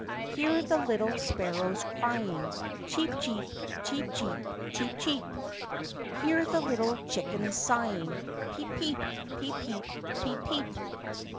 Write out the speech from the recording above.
ii Hear the little sparrows crying , Cheep , cheep! cheep , cheep! cheep , cheep! Hear the little chickens sighing , P00/>, peep! peep , peep! peep , peep!